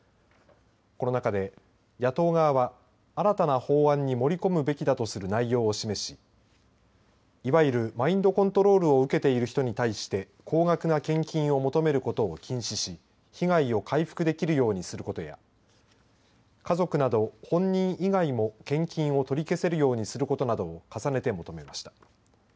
この中で野党側は新たな法案に盛り込むべきだとする内容を示しいわゆるマインドコントロールを受けている人に対して高額な献金を求めることを禁止し被害を回復できるようにすることや家族など本人以外も献金を取り消せるようにすることなどを重ねて求めました。